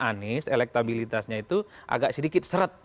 anies elektabilitasnya itu agak sedikit seret